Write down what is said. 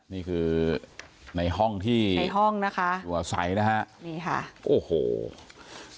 นี่คือในห้องที่ตัวใสนะคะ